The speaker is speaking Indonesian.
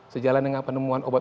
sejalan dengan penemuan operasi